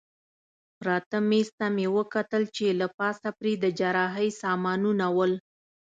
پراته مېز ته مې وکتل چې له پاسه پرې د جراحۍ سامانونه ول.